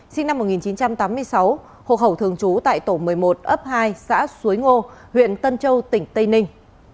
sinh năm một nghìn chín trăm tám mươi sáu hộ khẩu thường trú tại tổ một mươi một ấp hai xã suối ngô huyện tân châu tỉnh tây ninh